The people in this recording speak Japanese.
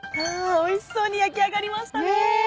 おいしそうに焼き上がりましたね。